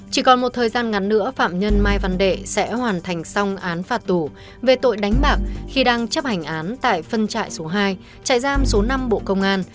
chỉ còn một thời gian ngắn nữa phạm nhân mai văn đệ sẽ hoàn thành xong án phạt tù về tội đánh bạc khi đang chấp hành án tại phân trại số hai trại giam số năm bộ công an